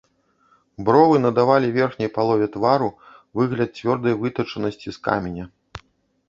Бровы надавалі верхняй палове твару выгляд цвёрдай вытачанасці з каменя.